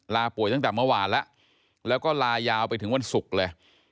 ป่วยตั้งแต่เมื่อวานแล้วแล้วก็ลายาวไปถึงวันศุกร์เลย